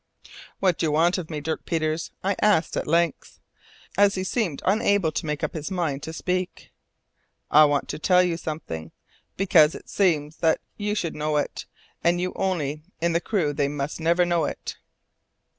"What do you want of me, Dirk Peters?" I asked at length, as he seemed unable to make up his mind to speak. "I want to tell you something because it seems well that you should know it, and you only. In the crew they must never know it."